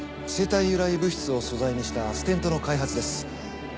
生体由来物質を素材にしたステントの開発です。